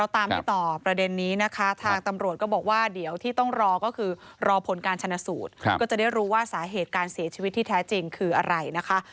ถ้าวันนี้คดีดังขนาดนี้ยังไม่เห็นการนี่